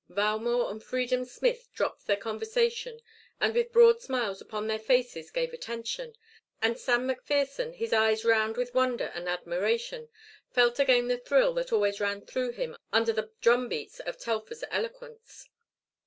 Valmore and Freedom Smith dropped their conversation and with broad smiles upon their faces gave attention, and Sam McPherson, his eyes round with wonder and admiration, felt again the thrill that always ran through him under the drum beats of Telfer's eloquence.